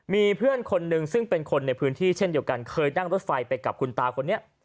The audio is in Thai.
มีเพื่อนคนหนึ่งซึ่งเป็นคนในพื้นที่เช่นเดียวกันเคยนั่งรถไฟไปกับคุณตาคนนี้